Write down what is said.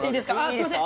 すいません